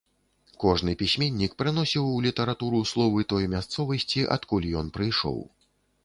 Кожны пісьменнік прыносіў у літаратуру словы той мясцовасці, адкуль ён прыйшоў.